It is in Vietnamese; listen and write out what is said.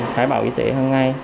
khai bảo y tế hằng ngày